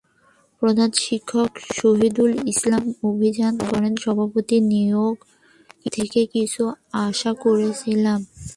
প্রধান শিক্ষক শহিদুল ইসলাম অভিযোগ করেন, সভাপতি নিয়োগ থেকে কিছু আশা করেছিলেন।